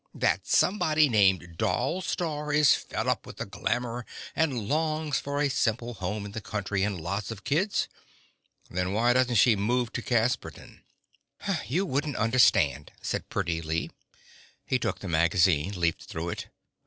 That somebody named Doll Starr is fed up with glamor and longs for a simple home in the country and lots of kids? Then why doesn't she move to Casperton?" "You wouldn't understand," said Pretty Lee. He took the magazine, leafed through it.